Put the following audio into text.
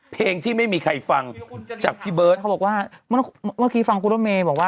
เพลงที่ไม่มีใครฟังจากพี่เบิร์ตเขาบอกว่าเมื่อกี้ฟังคุณรถเมย์บอกว่า